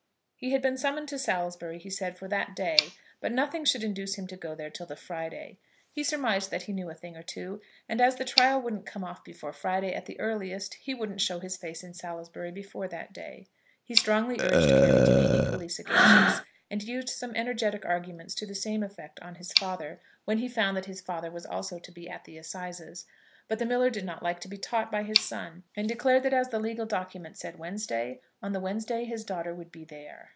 He had been summoned to Salisbury, he said, for that day, but nothing should induce him to go there till the Friday. He surmised that he knew a thing or two, and as the trial wouldn't come off before Friday at the earliest, he wouldn't show his face in Salisbury before that day. He strongly urged Carry to be equally sagacious, and used some energetic arguments to the same effect on his father, when he found that his father was also to be at the assizes; but the miller did not like to be taught by his son, and declared that as the legal document said Wednesday, on the Wednesday his daughter should be there.